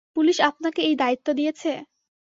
Police আপনাকে এই দায়িত্ব দিয়েছে?